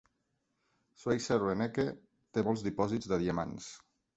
Schweizer-Reneke té molts dipòsits de diamants.